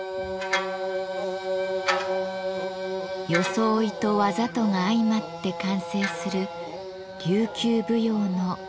装いと技とが相まって完成する琉球舞踊の夢の世界。